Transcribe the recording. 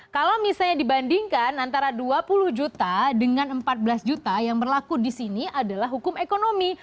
kalau misalnya dibandingkan antara dua puluh juta dengan empat belas juta yang berlaku di sini adalah hukum ekonomi